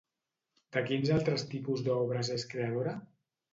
De quins altres tipus d'obres és creadora?